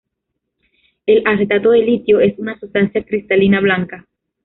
El acetato de litio es una sustancia cristalina blanca.